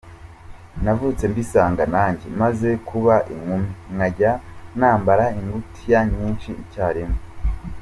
Navutse mbisanga nanjye maze kuba inkumi nkajya nambara ingutiya nyinshi icyarimwe.